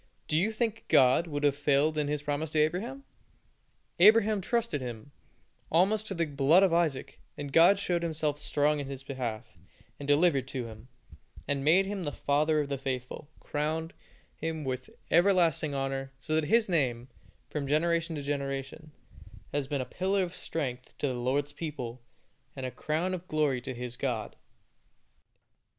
Do you think God would have failed in His promise to Abraham? Abraham trusted Him almost to the blood of Isaac, and God showed Himself strong in his behalf, and delivered him, and made him the father of the faithful; crowned him with everlasting honor, so that his name, from generation to generation, has been a pillar of strength to the Lord's people, and a crown of glory to his God.